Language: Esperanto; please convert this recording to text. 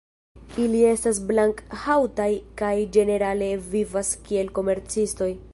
Ili estas blank-haŭtaj kaj ĝenerale vivas kiel komercistoj.